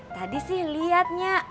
tadi sih liat nyak